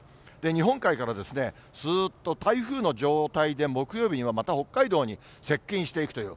日本海からすーっと台風の状態で木曜日にはまた北海道に接近していくという。